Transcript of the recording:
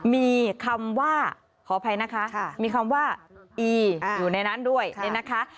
มีคำว่าขออภัยนะคะมีคำว่าอีอยู่ในนั้นด้วยเนี่ยนะคะ